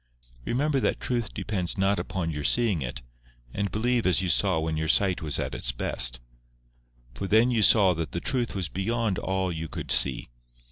Remember that Truth depends not upon your seeing it, and believe as you saw when your sight was at its best. For then you saw that the Truth was beyond all you could see."